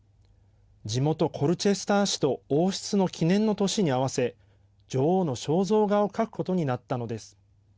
地元コルチェスター市と王室の記念の年に合わせ女王の肖像画を描くことになったのです。